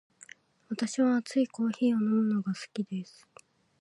私は熱いコーヒーを飲むのが好きです。